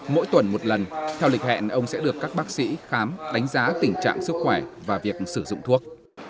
mỗi tuần một lần theo lịch hẹn ông sẽ được các bác sĩ khám đánh giá tình trạng sức khỏe và việc sử dụng thuốc